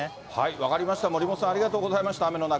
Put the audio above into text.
分かりました、森本さん、ありがとうございました、雨の中。